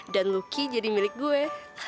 dan lucky jadi milik gue